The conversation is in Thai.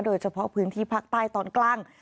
โดยเฉพาะพื้นที่ภาคใต้ตอนล่าง